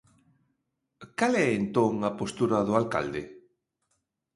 Cal é entón a postura do alcalde?